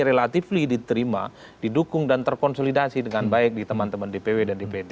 relatifly diterima didukung dan terkonsolidasi dengan baik di teman teman dpw dan dpd